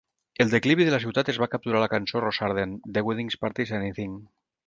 El declivi de la ciutat es va capturar a la cançó "Rossarden" de Weddings Parties Anything.